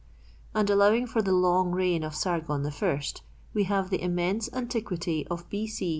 and allowing for the long reign of Sargon I, we have the immense antiquity of B. C.